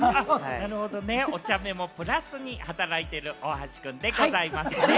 なるほど、おちゃめもプラスに働いてる大橋君でございます。